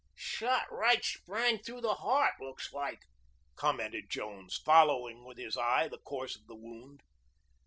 "Shot right spang through the heart, looks like," commented Jones, following with his eye the course of the wound.